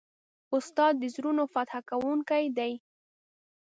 استاد د زړونو فتح کوونکی دی.